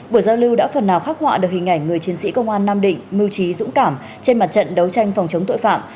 buổi giao lưu đã phần nào khắc họa được hình ảnh người chiến sĩ công an nam định mưu trí dũng cảm trên mặt trận đấu tranh phòng chống tội phạm